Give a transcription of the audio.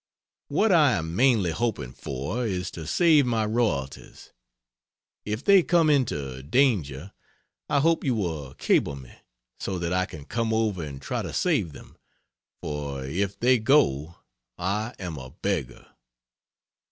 What I am mainly hoping for, is to save my royalties. If they come into danger I hope you will cable me, so that I can come over and try to save them, for if they go I am a beggar.